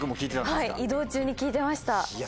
はい移動中に聴いてました。